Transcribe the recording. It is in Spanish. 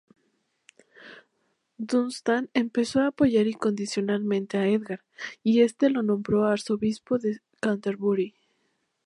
Dunstán empezó a apoyar incondicionalmente a Édgar, y este lo nombró arzobispo de Canterbury.